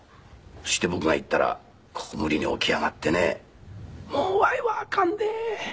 そして僕が行ったら無理に起き上がってね「もうわいはあかんで。